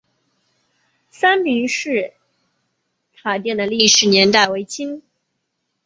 三平寺塔殿的历史年代为清。